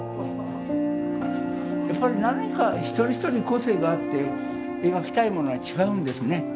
やっぱり何か一人一人個性があって描きたいものが違うんですね。